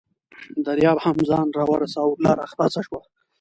دریاب هم ځان راورساوه، لاره خلاصه شوه.